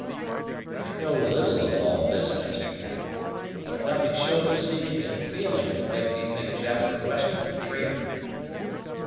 "I know little of all this; Master Cap; but nothing short of seeing and feeling will make me think Jasper Western a traitor."